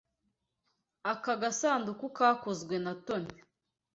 Aka gasanduku kakozwe na Tony.